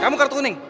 kamu kartu kuning